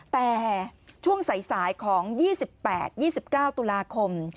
แต่ช่วงสายของ๒๘๒๙ตุลาคม